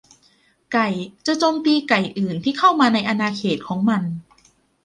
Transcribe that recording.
ไก่จะโจมตีไก่อื่นที่เข้ามาในอาณาเขตของมัน